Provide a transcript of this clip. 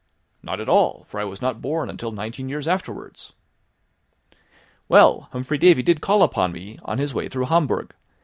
"Not at all, for I was not born until nineteen years afterwards." "Well, Humphry Davy did call upon me on his way through Hamburg.